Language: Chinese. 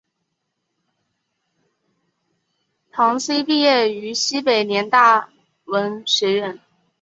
唐祈毕业于西北联大文学院。